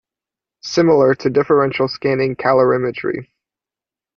Similar to differential scanning calorimetry.